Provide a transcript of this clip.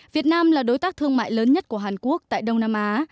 việt nam là đối tác thương mại lớn nhất của hàn quốc tại đông nam á